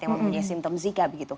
yang mempunyai simptom zika